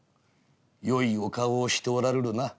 よいお顔をしておらるるな。